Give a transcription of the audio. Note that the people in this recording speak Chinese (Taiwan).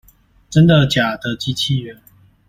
真的假的機器人